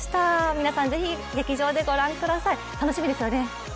皆さん是非劇場でご覧ください、楽しみですよね？